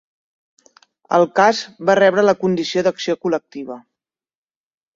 El cas va rebre la condició d'acció col·lectiva.